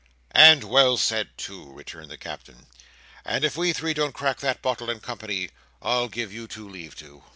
"And well said too," returned the Captain; "and if we three don't crack that bottle in company, I'll give you two leave to."